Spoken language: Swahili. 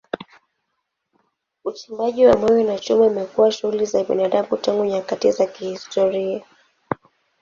Uchimbaji wa mawe na chuma imekuwa shughuli za binadamu tangu nyakati za kihistoria.